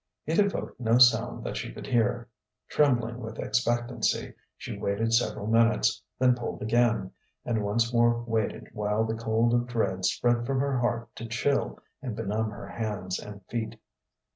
It evoked no sound that she could hear. Trembling with expectancy, she waited several minutes, then pulled again, and once more waited while the cold of dread spread from her heart to chill and benumb her hands and feet.